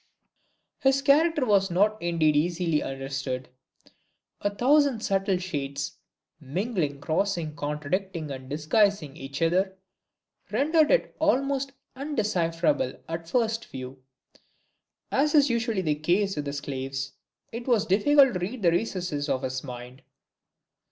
His character was indeed not easily understood. A thousand subtle shades, mingling, crossing, contradicting and disguising each other, rendered it almost undecipherable at a first view. As is usually the case with the Sclaves, it was difficult to read the recesses of his mind.